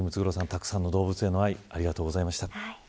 たくさんの動物への愛ありがとうございました。